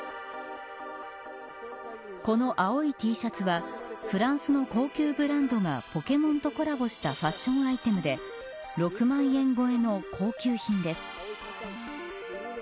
この青いＴシャツはフランスの高級ブランドがポケモンとコラボしたファッションアイテムで６万円超えの高級品です。